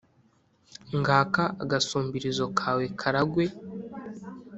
ngaka agasumbirizo kawe karagwe